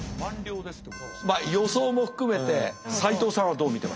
予想も含めて斎藤さんはどう見てましたか？